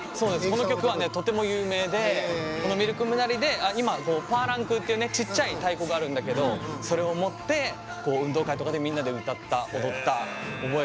この曲はとても有名で「ミルクムナリ」でパーランクーっていうちっちゃい太鼓があるんだけどそれを持って運動会とかでみんなで歌って踊った覚えがあります。